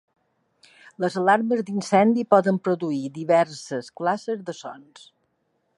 Les alarmes d'incendi poden produir diverses classes de sons.